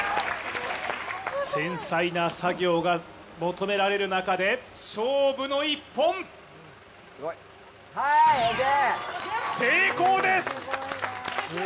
繊細の作業が求められる中で、勝負の１本、成功です！